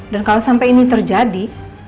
dan kalau sampai ini terjadi